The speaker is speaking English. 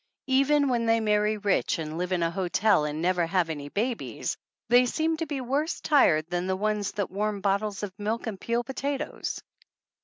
Even when they marry rich and live in a hotel and never have any babies they seem to be worse tired than the ones that warm bottles of milk and peel potatoes.